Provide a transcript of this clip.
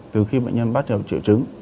từ khi bệnh nhân bắt đầu triệu chứng